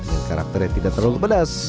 dengan karakter yang tidak terlalu pedas